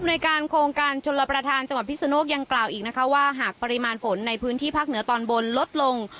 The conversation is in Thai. โดยการโครงการชนรับประทานจังหวัดพิศนโลกยังกล่าวอีกนะคะว่าหากปริมาณฝนในพื้นที่ภาคเหนือตอนบนลดลง